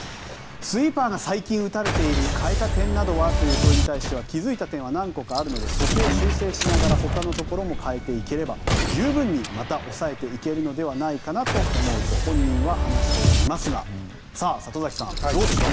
スイーパーが最近打たれている変えた点などは？という問いに対しては気づいた点は何個かあるのでそこを修正しながら他のところも変えていければ十分にまた抑えていけれると本人は話していますが里崎さん、どうでしょう。